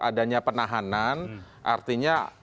adanya penahanan artinya